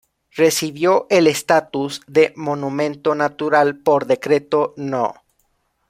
Recibió el estatus de monumento natural por decreto No.